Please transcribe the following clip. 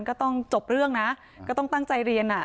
ก็ต้องจบเรื่องนะก็ต้องตั้งใจเรียน